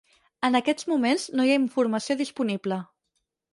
En aquests moments no hi ha informació disponible.